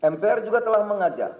mpr juga telah mengajak